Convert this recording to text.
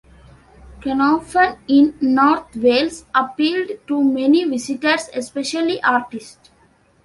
Caernarfon in North Wales appealed to many visitors, especially artists.